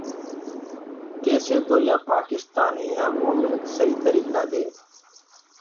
ڪيسي تو يآ پآڪستآني يهآنٚ وو منک سئيٚ تريٚڪآ دي